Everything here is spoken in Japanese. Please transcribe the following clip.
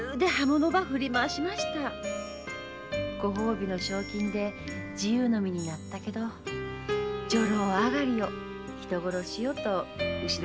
ご褒美の賞金で自由の身になったけど「女郎上がりよ」「人殺しよ」と後ろ指ばさされて。